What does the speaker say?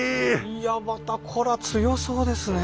いやまたこれは強そうですねえ。